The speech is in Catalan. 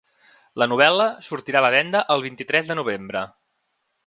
La novel·la sortirà a la venda el vint-i-tres de novembre.